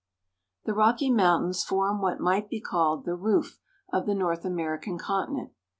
THE Rocky Mountains form what might be called the roof of the North American continent.